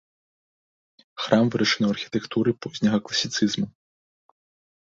Храм вырашаны ў архітэктуры позняга класіцызму.